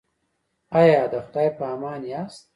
ایا د خدای په امان یاست؟